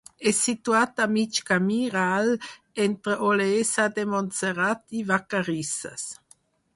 És situat a mig camí ral entre Olesa de Montserrat i Vacarisses.